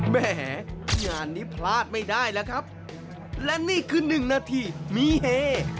แหมงานนี้พลาดไม่ได้แล้วครับและนี่คือหนึ่งนาทีมีเฮ